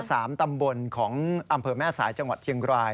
สามตำบลของอำเภอแม่สายจังหวัดเชียงราย